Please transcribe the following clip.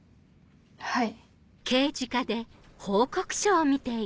はい。